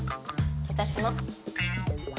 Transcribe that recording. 私も。